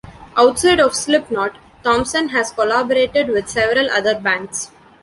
Outside of Slipknot, Thomson has collaborated with several other bands.